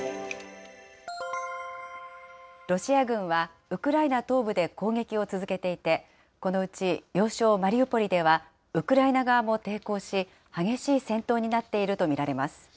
ロシア軍はウクライナ東部で攻撃を続けていて、このうち要衝マリウポリでは、ウクライナ側も抵抗し、激しい戦闘になっていると見られます。